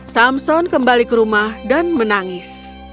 samson kembali ke rumah dan menangis